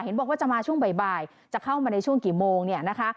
บอกว่าจะมาช่วงบ่ายจะเข้ามาในช่วงกี่โมงเนี่ยนะคะ